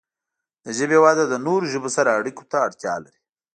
د ژبې وده د نورو ژبو سره اړیکو ته اړتیا لري.